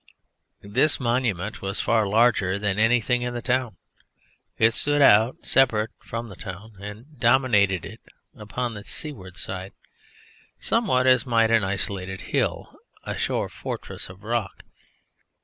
This monument was far larger than anything in the town. It stood out separate from the town and dominated it upon its seaward side, somewhat as might an isolated hill, a shore fortress of rock.